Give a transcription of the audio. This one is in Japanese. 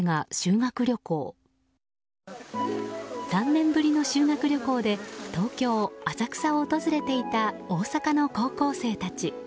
３年ぶりの修学旅行で東京・浅草を訪れていた大阪の高校生たち。